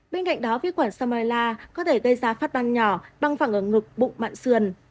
bên cạnh đó vi khuẩn salmila có thể gây ra phát ban nhỏ băng phẳng ở ngực bụng mạng sườn